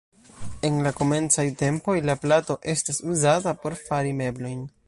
En la komencaj tempoj la plato estas uzata por fari meblojn.